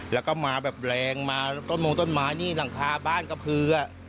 แล้วก็มาแบบแรงมาต้นมงต้นไม้นี่หลังคาบ้านก็คือ